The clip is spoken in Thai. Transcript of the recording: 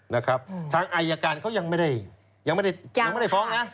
นะครับทางอายการเขายังไม่ได้ฟ้องนะ